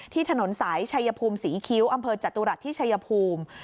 ถนนสายชายภูมิศรีคิ้วอำเภอจตุรัสที่ชัยภูมิ